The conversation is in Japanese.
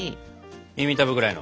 耳たぶぐらいの？